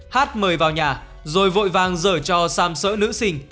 h mời vào nhà rồi vội vàng dở cho xàm sỡ nữ sinh